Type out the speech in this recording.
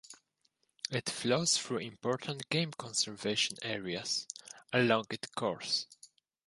It flows through important game conservation areas along its course.